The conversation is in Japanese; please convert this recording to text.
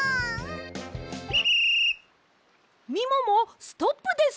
みももストップです！